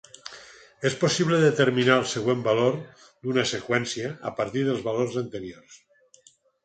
És possible determinar el següent valor d'una seqüència a partir dels valors anteriors.